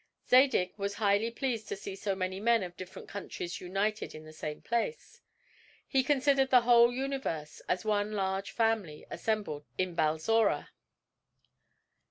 Zadig was highly pleased to see so many men of different countries united in the same place. He considered the whole universe as one large family assembled at Balzora.